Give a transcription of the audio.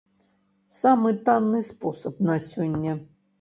Самы танны спосаб на сёння.